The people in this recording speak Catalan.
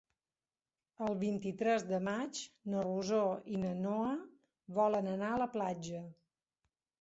El vint-i-tres de maig na Rosó i na Noa volen anar a la platja.